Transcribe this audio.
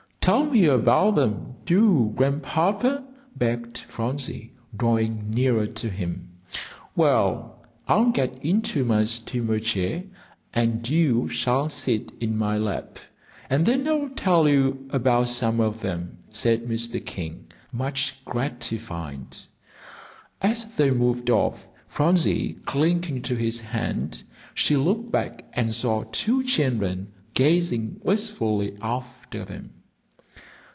"Tell me about them, do, Grandpapa," begged Phronsie, drawing nearer to him. "Well, I'll get into my steamer chair, and you shall sit in my lap, and then I'll tell you about some of them," said Mr. King, much gratified. As they moved off, Phronsie clinging to his hand, she looked back and saw two children gazing wistfully after them.